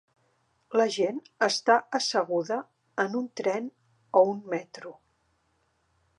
La gent està asseguda en un tren o un metro.